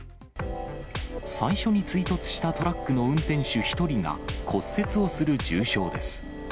最初に追突したトラックの運転手１人が骨折をする重傷です。